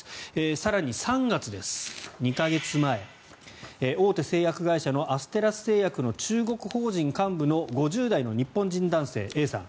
更に３月です、２か月前大手製薬会社のアステラス製薬の中国法人幹部の５０代の日本人男性、Ａさん。